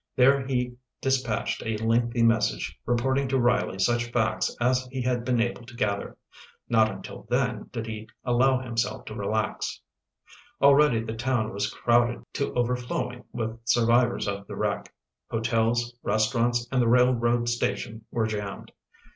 There he dispatched a lengthy message, reporting to Riley such facts as he had been able to gather. Not until then did he allow himself to relax. Already the town was crowded to overflowing with survivors of the wreck. Hotels, restaurants and the railroad station were jammed.